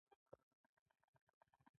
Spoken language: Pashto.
زه د ښوونځي د پروګرامونو برخه یم.